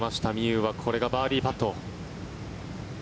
有はこれがバーディーパット。